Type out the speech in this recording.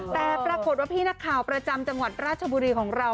แต่ปรากฏว่าพี่นักข่าวประจำจังหวัดราชบุรีของเรา